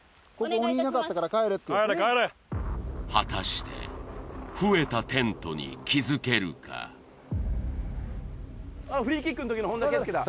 ここ果たして増えたテントに気づけるかフリーキックん時の本田圭佑だ